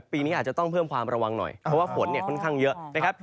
ปีนี้อาจจะต้องเพิ่มความระวังหน่อยเพราะว่าฝนเนี่ยค่อนข้างเยอะนะครับ